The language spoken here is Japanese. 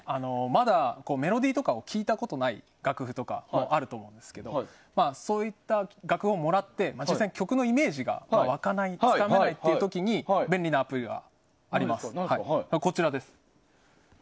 まだメロディーとかを聴いたことない楽譜とかあると思うんですけどそういった楽譜をもらって実際に曲のイメージがわかない、つかめないという時に便利なアプリがあります。